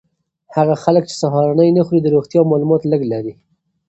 هغه خلک چې سهارنۍ نه خوري د روغتیا مالومات لږ لري.